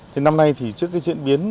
thì năm nay trước diễn biến